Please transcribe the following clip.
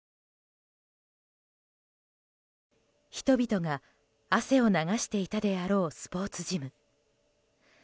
人々が汗を流していたであろうスポーツジム。